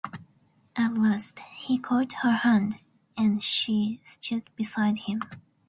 At last he caught her hand, and she stood beside him.